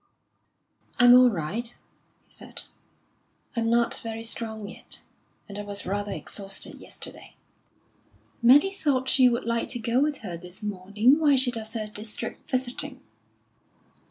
"I'm all right," he said; "I'm not very strong yet, and I was rather exhausted yesterday." "Mary thought you would like to go with her this morning, while she does her district visiting."